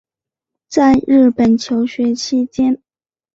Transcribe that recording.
在日本求学期间